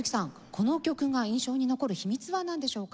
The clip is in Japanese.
この曲が印象に残る秘密はなんでしょうか？